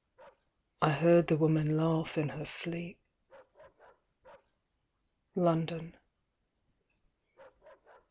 ŌĆØ I heard the woman laugh in her sleep. London.